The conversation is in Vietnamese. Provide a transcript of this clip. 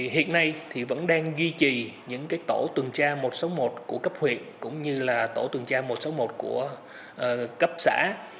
hiện nay vẫn đang duy trì những tổ tuần tra một trăm sáu mươi một của cấp huyện cũng như tổ tuần tra một trăm sáu mươi một của cấp xã